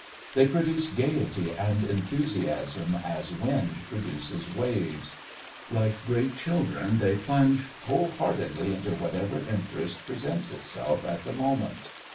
They produce gaiety and enthusiasm as wind produces waves. Like great children, they plunge whole heartedly into whatever interest presents itself at the moment.